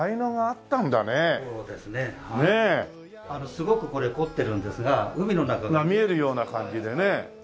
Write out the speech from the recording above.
すごくこれ凝ってるんですが海の中が。見えるような感じでね。